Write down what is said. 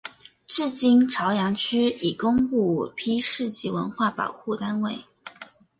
至今潮阳区已公布五批市级文物保护单位。